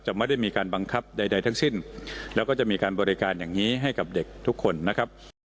ไม่ได้มีการบังคับใดทั้งสิ้นแล้วก็จะมีการบริการอย่างนี้ให้กับเด็กทุกคนนะครับ